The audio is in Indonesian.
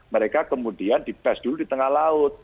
mereka kemudian di tes dulu di tengah laut